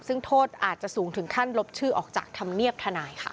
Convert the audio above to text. ซึ่งโทษอาจจะสูงถึงขั้นลบชื่อออกจากธรรมเนียบทนายค่ะ